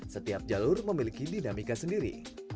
setiap jalur memiliki dinamika sendiri